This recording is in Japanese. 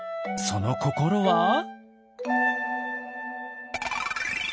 その心は？